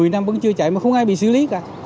một mươi năm vẫn chưa chạy mà không ai bị xử lý cả